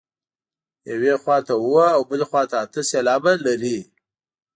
یوې خوا ته اووه او بلې ته اته سېلابه لري.